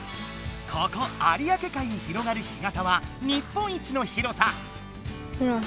ここ有明海に広がる干潟は日本一の広さ。